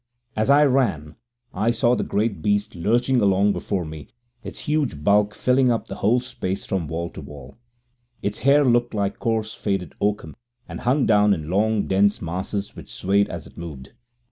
As I ran, I saw the great beast lurching along before me, its huge bulk filling up the whole space from wall to wall. Its hair looked like coarse faded oakum, and hung down in long, dense masses which swayed as it moved.